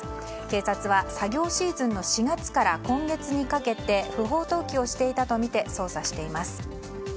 警察は作業シーズンの４月から今月にかけて不法投棄をしていたとみて捜査しています。